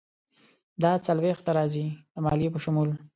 دا څلویښت ته راځي، د مالیې په شمول.